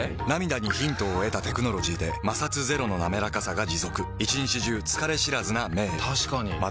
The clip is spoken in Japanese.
涙にヒントを得たテクノロジーで摩擦ゼロのなめらかさが持続一日中疲れ知らずな目へ確かに。